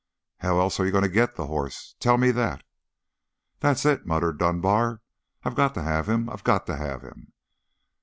"How else are you going to get the hoss? Tell me that?" "That's it," muttered Dunbar. "I've got to have him. I've got to have him!